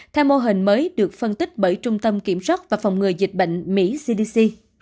theo mô hình mới được phân tích bởi trung tâm kiểm soát và phòng ngừa dịch bệnh mỹ cdc